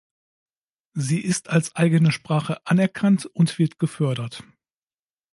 Sie ist als eigene Sprache anerkannt und wird gefördert.